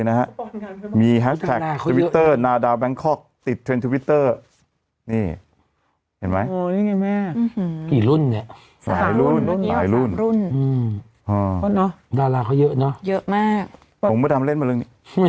ขอไม่บอกว่าเป็นใครจะเป็นผู้ชายหรือผู้หญิง